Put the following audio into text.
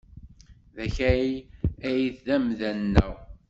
D Akal ay d amda-nneɣ.